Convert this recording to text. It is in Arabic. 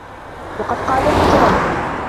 وَقَدْ قَالَ الْمُتَنَبِّي